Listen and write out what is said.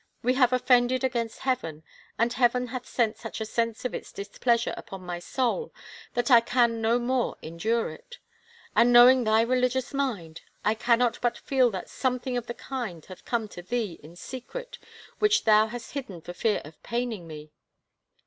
We have offended against Heaven and Heaven hath sent such a sense of its displeasure upon my soul that I can no more endure it. And know ing thy religious mind, I cannot but feel that something of the kind hath come to thee in secret which thou hast hidden for fear of paining^e.